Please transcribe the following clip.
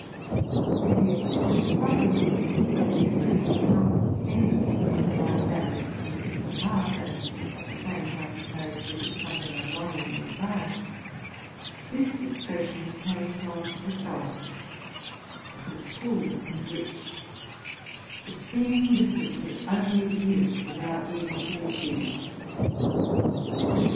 And yet, properly speaking, this expression was not tender, like that which comes from the heart, and at the same time carries with it something of longing and desire: this expression came from the soul; it was full and rich ; it seemed as if it would only give, without needing to receive.